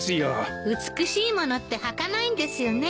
美しいものってはかないんですよね。